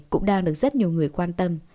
cũng đang được rất nhiều người quan tâm